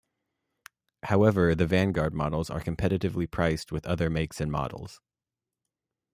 However, the Vanguard models are competitively priced with other makes and models.